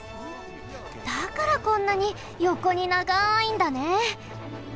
だからこんなによこにながいんだね。